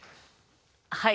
はい。